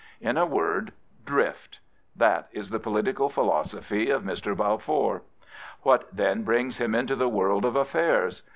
In a word, Drift. That is the political philosophy of Mr. Balfour. What, then, brings him into the world of affairs?